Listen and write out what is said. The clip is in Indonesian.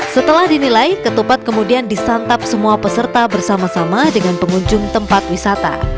setelah dinilai ketupat kemudian disantap semua peserta bersama sama dengan pengunjung tempat wisata